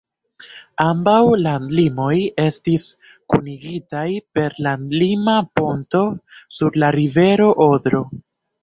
Ambaŭ landlimoj estis kunigitaj per landlima ponto sur la rivero Odro.